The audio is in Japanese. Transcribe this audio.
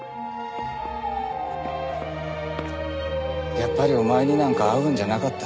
やっぱりお前になんか会うんじゃなかった。